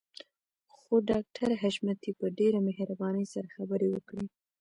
خو ډاکټر حشمتي په ډېره مهربانۍ سره خبرې وکړې.